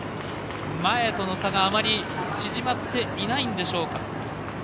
前との差が、あまり縮まっていないんでしょうか。